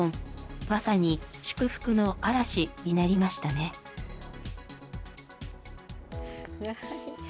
まさに祝福の嵐になりましたね。